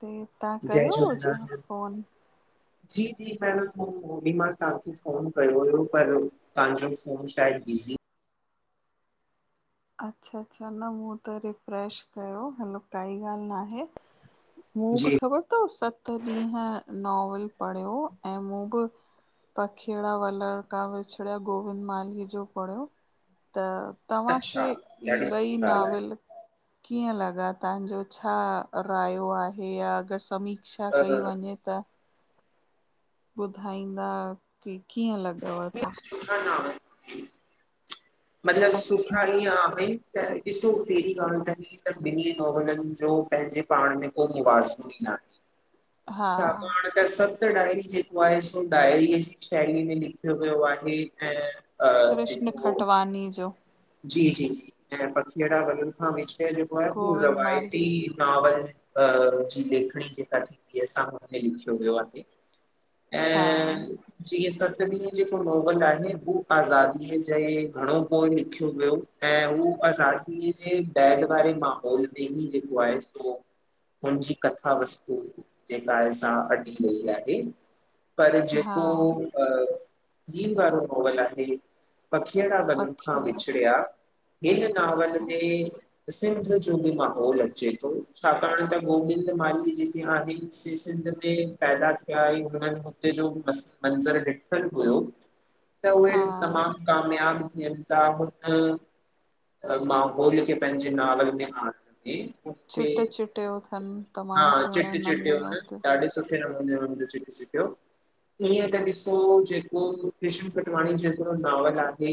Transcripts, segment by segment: ते तां जय कयो हो झूलेलाल छा मैम। फ़ोन? जी जी मु ओॾी महिल तव्हांखे फ़ोन कयो हुयो पर तव्हांजो फोन शायद बिज़ी अच्छा अच्छा, न मूं त रिफ्रेश कयो, हलो काई ॻाल्हि ना आहे। मूं बि जी ख़बर थव सत ॾींहं नॉवल पढ़ियो ऐं मूं बि पखेड़ा वलड़का विछड़िया गोविंद माली जो पढ़ियो त अच्छा तव्हांखे ई ॾाढी ॿई सुठी ॻाल्हि नॉविल कीअं लॻा तव्हांजो छा रायो आहे या अगर समीक्षा आहे कई अ, वञे? त ॿुधाईंदा की कीअं लॻव तव्हां? सुठा न आहे। मतलब अच्छा सुठा ईअं आहिनि त ॾिसो पहिरीं ॻाल्हि त हे त ॿिनी नॉवलनि जो पंहिंजे पाण में को मुआासनो ही न आहे। [inaudible] साम्हूं वारे त सत डायरी जेको आहे सो डायरीअ जी शेली में लिख वयो आहे ऐं जेको पानी जो जी जी जी ऐं पखीअड़ा वलनि खां विषय जेको आहे उहू गोविंद रवायती माली नावल अ जी लेखणी जेका थींदी असां हुन में लिखियो वियो आहे। हा ऐं जीअ सतमी जेको नॉवल आहे हू आज़ादीअ जे घणो पो लिख वियो ऐं उह अज़ादीअ जे बैढ वारे माहौल ते ही जेको आहे सो उनजी कथा वस्तु जेका आहे सां हटी वही आहे पर हा जेको ही वारो नॉवल आहे, पखिड़ा वन खां पखीअ वांगुर विछड़िया हिन नॉावल में सिंध जो बि माहौल अचे थो छाकाणि त गोबिंद माली जेके आहिनि से सिंध त पैदा थिया ऐं हुननि हुते जो मंज़र ॾिठलु हुयो। [inaudible] त उहे तमाम कामयाब थीयन अ मांहौल खे पंहिंजे नावल में आणे चिट चिटियो थनि हा तमामु सुहिणे चिटी चिटियूं नमूने हुते ॾाढी सुठ सुठे नमुने हुयुन चिक चिकियो ईअं त ॾिसो जेको कृष्ण कटवाणी हिकडो नॉवल आहे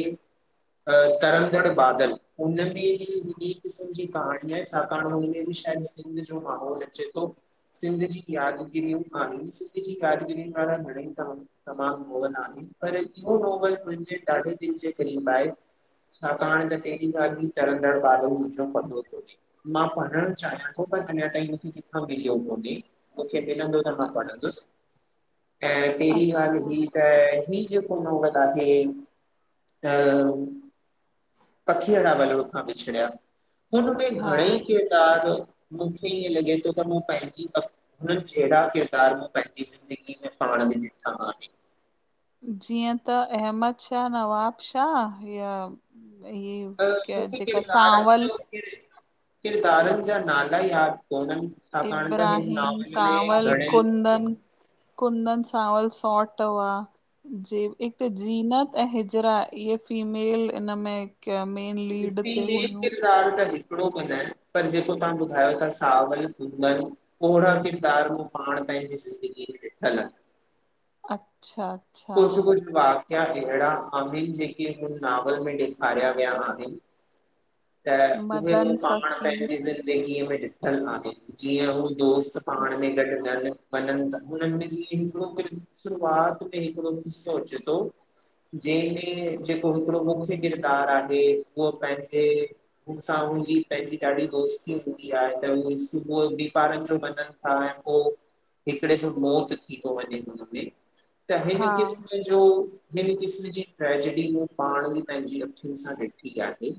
तरद तरद बादल उनमें भी ॿे किस्म जी कहाणी आहे छाकाणि हुनम बि शायदि हो माहौल अचे तो। सिंध जी यादिगिरियूं आहिनि सिंध जी यादिगिरीन वारा घणेई तव, तमामु नॉवल आहिनि, पर इहो नॉवल मुंहिंजे ॾाढे दिल जे क़रीब आहे। छाकाणि त पहिरीं ॻाल्हि ई तरंदड़ बाारो मुंहिंजो पधो थो थिए [unintelligible] मां पढ़णु चाहियां थो पर अञा ताईं मुखे किथां मिलियो कोन्हे, मूंखे मिलंदो त मां पढ़ंदुसि ऐं पहिरीं ॻाल्हि अच्छा ही त ही जेको नौवल आहे त पखीड़ा ॿलुअ खां विछड़िया हुनमें हा घणेई के ॾाढ़ो मूंखे ईअं लॻे तो त मुं पहिंजी क हुननि जहिड़ा किरदार मूं पंहिंजी ज़िंदगी में पाण बि ॾिठा आहिनि। जीअं त अहमद शाह नवाब शाह हिय इहे त क्या मूंखे जेका किरदारनि सांवल जो किरदारनि जा नाला यादि कोन्हनि, छाकाणि त हिन इब्राहिम, नॉवल में सांवल, घणेई कुंदन कुंदन सांवल सॉट हुआ। जे हिक जीनत ऐं हिजरा इहे फीमेल, इनमें कं मेन लीड ते फीमेल हुयूं। त हिकिड़ो बि न आहे पर जेको तव्हां ॿुधायो था सावल घुङनि [unintelligible] ओहिड़ा किरदार हू पाण पंहिंजी ज़िंदगी में ॾिठल अच्छा, कुछ अच्छा कुछ वाकिया अहिड़ा आहिनि, जेके हुन नॉावल में ॾेखारिया विया आहिनि। त उहे बि मदन पाण फ़क़ीर पंहिंजी ज़िंद गीअ में ॾिठलु काननि जीअं हू दोस्त पाण में गॾु नल वञनि ता हुननि में जिअं हिकड़ो किर शुरआत में हिकड़ो किस्सो अचे तो, जंहिंमें जेको हिकिड़ो मुख्य किरदारु आहे उह पंहिंजे हुनसां मुंहिंजी पंहिंजी ॾाढी दोस्ती हूंदी आ त उहो सुबुह जो बि ॿारनि जो मञनि हाण पो हिकिड़े जो मौत थी तो वञें हिनमें त हिन हा क़िस्म जो हिन क़िस्म जी ट्रेजेडी हू पाण बि पंहिंजी अखियुनि सां ॾिठी आहे,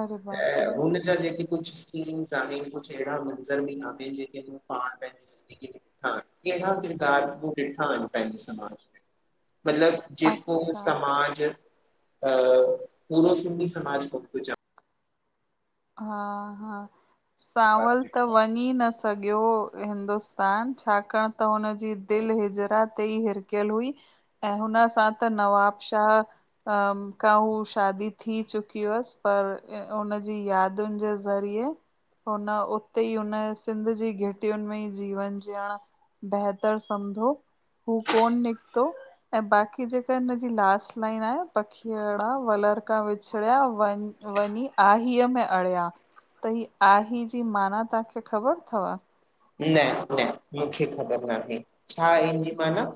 अरे बाप त रे, हुन जा जेके कुछु सीन्स आहिनि कुछु अहिड़ा मंज़र बि आहिनि जेके हू पाण पंहिंजी ज़िंदगी में हां कहिड़ा किरदार मूं ॾिठा आहिनि, पंहिंजे समाज में मतिलब जेको अच्छा समाज अ पूरो सिंधी समाज हा- हा, आसपास सांवल त ॾिठो वञी न स् सॻियो हिंदुस्तान, छाकाणि त हुन जी दिलि हिजरा ते ई हिरकियल हुई, ऐं हुन सां त नवाबशाह खां हू शादी थी चुकी हुअसि पर हुन जी यादुनि जे ज़रिए हुन उते ई हुन सिंध जी घिटियुनि में ई जीवन जीअण बेहितर समझो हू कोन निकतो, ऐं बाकी जेका हिनजी लास्ट लाइन आहे, पखीयड़ा वलर खां विछड़िया वञ वञी आहीअ में अड़िया, त ही आही जी माना तव्हांखे ख़बर थव? न -न मूंखे ख़बर न आहे, छा आए हिन्जीमाना?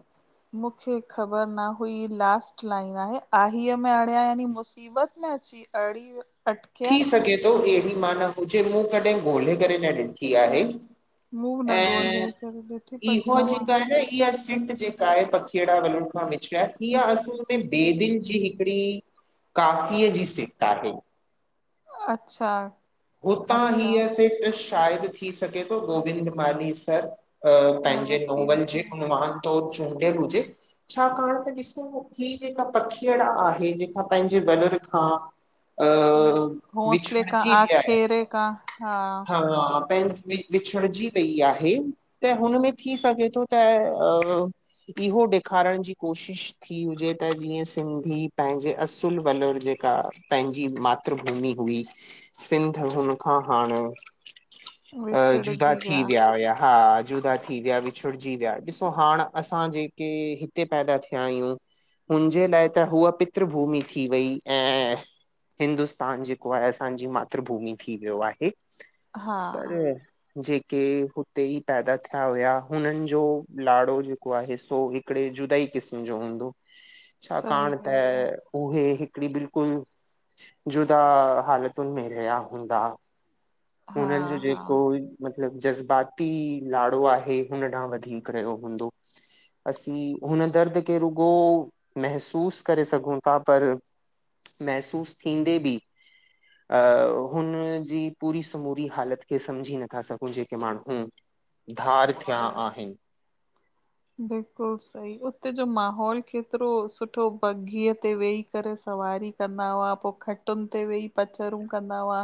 मूंखे ख़बर न हुई लास्ट लाइन आहे, आहीअ में अणिया यानि मुसि ईबत में अची अड़ी विया, थी सघे थो अहिड़ी माना हुजे मूं कॾहिं ॻोल्हे करे न ॾिठी आहे। मुंहुं न ऐं ॻोल्हे करे ॾिठी पर इहो तव्हां जेका आहे न इहा सिंट जे काए पखिअड़ा वलू खां विछड़िया इहा असुल में बेबेन जी हिकड़ी काफ़ीअ जी सिट आहे अच्छा हुतां अच्छा हीअ सिट शायद थी सघे थो गोविंद मानी सर मां पंहिंजे वरिती नॉवल हुजे जे उनवान तौरु चूंडियल हुजे छाकाण त ॾिसो ही जेका पखीअड़ आहे जेका पंहिंजे वलर खां अ, घोसले का विछड़जी वई आहे आखेरे का हा पहिं वि विछड़जी वई आहे, त हुन में थी सघे थो त इहो ॾेखारण जी कोशिश थी हुजे त जीअं सिंधी पंहिंजे असुल वलर जेका पंहिंजी मातृभूमि हुई सिंध हुनखां हाणे अ जुदा थी विया हुया हा जुदा थी विया विछुड़जी विया, ॾिसो हाण असां जेके हिते पैदा थिया आहियूं। हुनजे लाइ त हूअ पितृभूमि थी वई, ऐं हिंदुस्तान जेको आहे असांजी मातृभूमि थी वियो आहे हा पर जेके हुते ई पैदा थिया हुया हुनन जो लाड़ो जेको आहे सो हिकड़े जुदाई क़िस्म जो हूंदो [inaudible] छाकाणि ॻाल्हि त आहे उहे हिकड़ी बिलकुलबजुदा हालतन में रहिया हूंदा हा हुनन जो हा जेको मतलब जज़्बाती लाड़ो आहे हुन ॾांह वधीक रहयो हूंदो असीं हुन दर्द खे रुगो महसूस करे सघूं था पर महसूस थींदे बि अ हुनजी पूरी समूरी हालत खे समझी नथा सघूं जेके माण्हू धार थिया आहिन बिलकुल सही, उते जो माहोल केतरो सुठो बघीअ ते वेही करे सवारी कंदा हुआ पो खटुन ते वेही पचरूं कंदा हुआ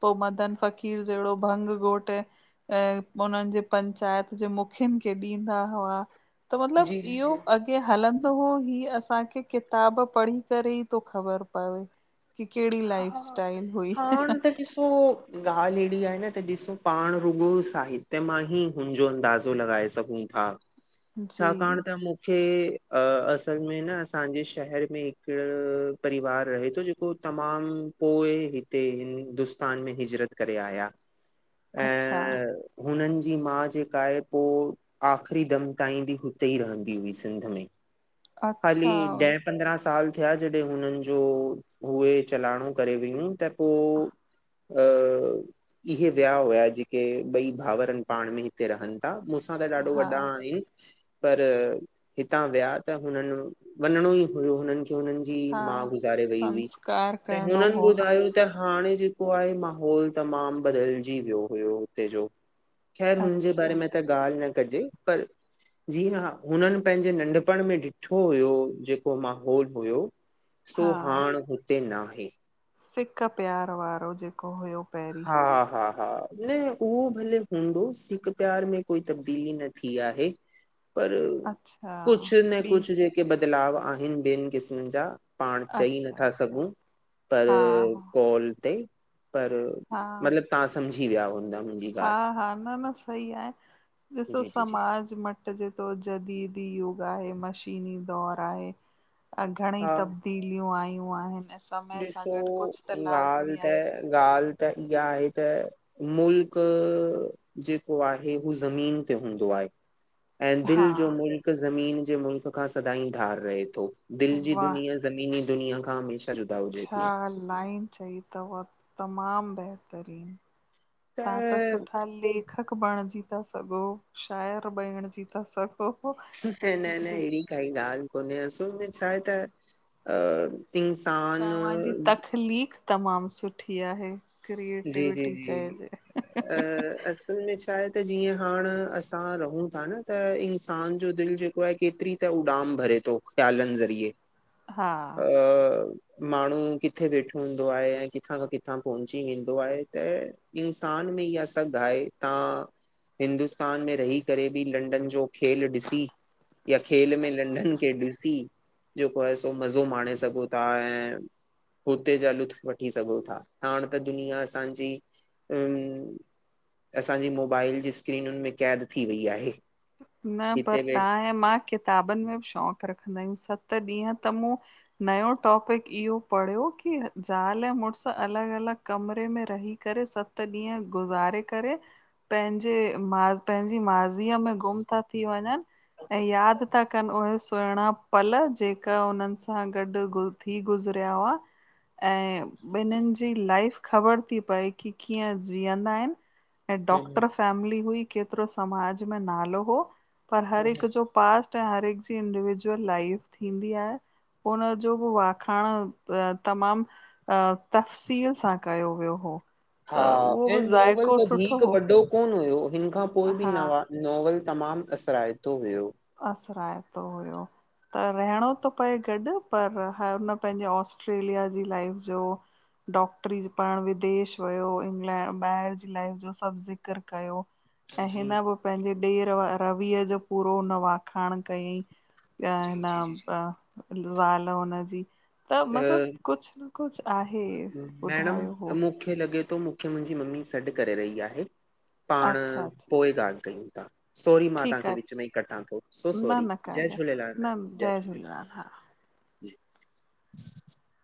पो मदन फ़कीर जहिड़ो भंग घोट् ऐं उन्हन जे पंचायत ॼे मुखियुन खे ॾींदा हुआ त मतलब जी जी इहो जी अॻ ॻे हलंदो हुओ ही असांखे किताब पढ़ी करे ई तो ख़बर पवे कि केड़ी लाइफ हा स्टाइल हुई ॻाल्ह अहिड़ी आहे न त ॾिसो पांण रुॻो साहित्य मां ही हुन्जो अंदाज़ो लॻाए सघूं था। जी छाकाण त मुंखे अ-असल में न असांजे शहर में हिक परिवार रहे तो जेको उतां म तमाम पोए हिते हिंदुस्तान में हिॼरत करे आया। अच्छा हुनन जी मा ॼेका आए पो आख़िरी दम ताईं ॿि हुते ई रहंदी हुई सिंध में। ख़ाली अच्छा डैम पंद्रहं साल थिया जॾहिं हुनन ॼो हुए चलाणों करे वियूं त पो अ इहे विया हुया जेके ॿई भावर इनि पांणं में हि हिते रहन ता मूसां त ॾाढो हा वॾा आहिन पर हितां विया त हुनन वंञिंणो ई हुयो हुनन खे हुनन जी हा मा गुज़ारे वई हुई संस्कार त करणो हुनन हो ॿुधायो त हांणें ॼेको आहे माहौल तमाम बदलॼी वियो हुयो हुते ॼो ख़ैर हुनॼे बारे अच्छा में त ॻाल्ह न कॼे पर ॼीअं हा हुनन पंहिंजे नंढपण में डिढ् ठो हुयो जेको माहौल हुयो सो हांण हुते ना हे सिक्क प्यार वारो हुयो ॼेको हुयो पहिरीं हा-हा-हा न उहो भले हूंदो सिक-प्यार में कोई तब्दीली न थी आहे। [inaudible] पर अच्छा कुछ न ॿी कुछ ॼेके बदलाव आहिन ॿियन क़िस्मन ॼा पांण चई अच्छा नथा सघूं अच्छा पर हा कॉल ते पर मतलब तव्हां समझी विया हुन्दा मुंज् हा-हा न-न सही आहे ॾिसो जी जी जी समाज मट् जेतो जदीदी युग आहे मशीनी दौर आहे अ घणेंई हा तब दीलियूं आयूं आहिन असां ॾिसो ॻाल्ह आहे त ॻाल्ह त इहा आहे त मुल्क ॼेको आहे हू ज़मीन ते हूंदो आहे। ऐं हा दिल जो मुल्क़ ज़मीन जे मुल्क़ खां सदाईं धार रहे थो दिल ॼी वाह दुनिया ज़मीनी दुनिया खां हमेशह ॼु छा लाइन चई तव तमाम ॿेहितरीन तहां त सुठा लेखक ॿणिंॼी ता सघो् शायर ॿणिंॼी ता सघो्। हो हो न न न जे अहिड़ी काई ॻाल्ह कोन्हे असल में छाहे त अ इन्सां तव्हान्ॼी तखलीख तमाम सुठी आहे जी जी क्रिएटिविटी जी चइॼे अ असल में छाहे त जीअं हांण असां रहूं था न त इंसान जो दिल जेको पोये केतरी त उॾाम भरे थो ख़्यालन ज़रिए अ हा। मांण्हूं कित्थे वेठो हूंदो आहे ऐं कित्थां खां कित्थां पहुंची ईंदो आहे त इंसान में इहा सघ् आहे तां हिंदुस्तान में रही करे ॿि लंडन ॼो खेल ॾिसी या खेल में लंडन खे ॾिसी जेको आहे सो मज़ो मांणें सघो था ऐं हुते जा लुत्फ़ वठी सघो था हांण हाणे त दुनिया असांजी अम् असांॼी मोबाइल ॼी स्क्रीन्युन में क़ैद थी वई आहे। न पर हिते तव्हां ऐं मां किताबन में ॿि शौक़ रखंदा आहियूं सत ॾींहं त मूं नयो टॉपिक इहो पढ़ियो की ज़ाल मुर्स अलॻ अलॻ कमरे में रही करे सत ॾींहं गुज़ारे करे पंहिंजे माज़ पंहिंजी माज़ीअ में गुम था थी वञनि ऐं यादि था कन। उहे सुहिणा पल, जेका उन्हन सां गॾ गुंज थी गुज़रिया हुआ। ऐं ॿिन्हिन जी लाइफ ख़बर थी पए, की कीअं जीअंदा आहिन? ऐं डॉक्टर वेठ फैमली हुई केतरो समाज में नालो हो, पर हर हिक जो पास्ट ऐं हर हिक जी इंडिविजुअल लाइफ थींदी आ। हुनजो ब वाखाण तमाम तफ़सील सां कयो वियो हो, हा त उहो बि ज़ाइको सुठो हो। कोन्ह हुयो हिन खां पो बि हा नवा नॉवल तमाम असराएतो हुयो। असराएतो हुयो। त रहिणो थो पए गॾु पर हर हुन पंहिंजे ऑस्ट्रेलिया जी लाइफ जो डॉक्टरी पढ़णु विदेश वयो इंग्लैंड ॿाहिरि जी लाइफ जो सभु ज़िक्र कयो। ऐं जी हिन बि, पंहिंजे ॾेर रवीअ जो पूरो हुन वाखाण कयईं त जी हिन जी जी जी प ज़ाल हुनजी। त मतलब अ, कुछ न कुछ आहे मैडम ॿुधायो हो मूंखे लगे थो मूंखे मुंहिंजी मम्मी सॾु करे रही आहे। पाण अच्छा अच्छा पोइ ॻाल्हि कयूं ता। सॉरी मां ठीकु तव्हांखे आहे विच में ई कटां थो, सो सॉरी, जय झूलेलाल जय झूलेलाल। अ हा [unintelligible]